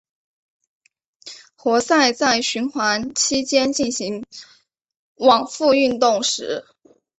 活塞在循环期间进行往复运动时。